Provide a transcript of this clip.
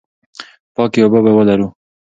پاکې اوبه به ولرو.